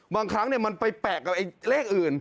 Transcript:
บางครั้งมันไปแปลกกับเลขอื่น